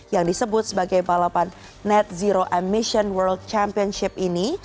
yang disebut sebagai balapan net zero emission world championship ini